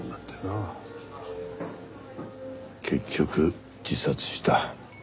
結局自殺した。